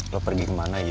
lo pergi kemana